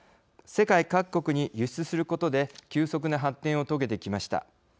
世界各国に輸出することで急速な発展を遂げてきました。